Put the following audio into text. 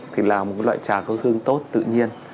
thì là một loại trà có hương tốt tự nhiên